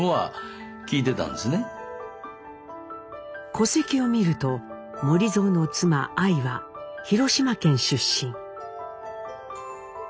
戸籍を見ると守造の妻アイは広島県出身。